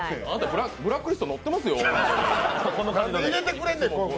あなたブラックリストに載ってますよ。